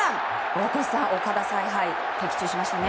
大越さん、岡田采配的中しましたね。